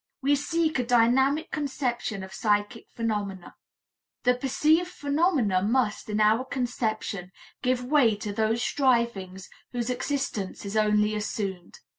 We seek a dynamic conception of psychic phenomena. The perceived phenomena must, in our conception, give way to those strivings whose existence is only assumed.